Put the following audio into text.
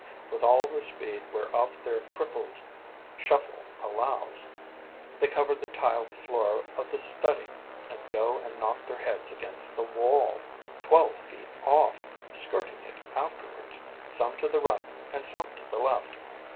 With all the speed whereof their cripple's shuffle allows, they cover the tiled floor of the study and go and knock their heads against the wall, twelve feet off, skirting it afterwards, some to the right and some to the left.